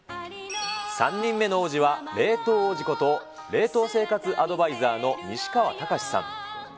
３人目の王子は冷凍王子こと、冷凍生活アドバイザーの西川剛史さん。